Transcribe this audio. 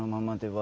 は